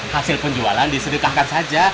hasil penjualan disedekahkan saja